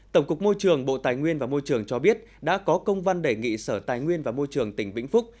tổng cục môi trường bộ tài nguyên và môi trường cho biết đã có công văn đề nghị sở tài nguyên và môi trường tỉnh vĩnh phúc